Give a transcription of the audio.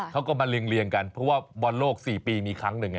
เขาก็มาเรียงเรียงกันเพราะว่าบรรโลกสี่ปีมีครั้งหนึ่งไง